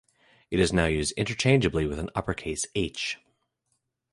It is now used interchangeably with an uppercase "h".